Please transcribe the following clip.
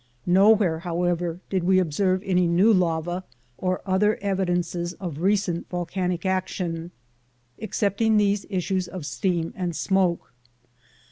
Nowhere, however, did we observe any new lava or other evidences of recent vol canic action excepting these issues of steam and smoke.